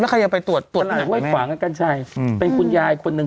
ใครจะไปตรวจตรวจห้วยขวางกับกัญชัยเป็นคุณยายคนหนึ่ง